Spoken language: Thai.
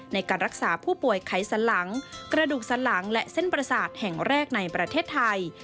ในการรักษาผู้ป่วยไขสันหลังกระดูกสันหลังและเส้นประสาทแห่งแรกในประเทศไทย